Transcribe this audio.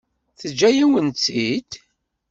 Teǧǧa-yawen-tt-id?